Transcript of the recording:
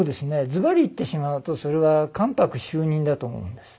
ズバリ言ってしまうとそれは「関白就任」だと思うんです。